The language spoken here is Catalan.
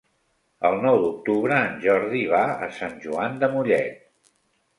El nou d'octubre en Jordi va a Sant Joan de Mollet.